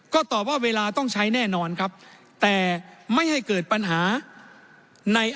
ก็ตอบว่าเวลาต้องใช้แน่นอนครับแต่ไม่ให้เกิดปัญหาใน